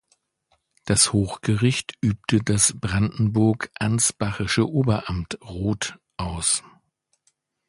Das Hochgericht übte das brandenburg-ansbachische Oberamt Roth aus.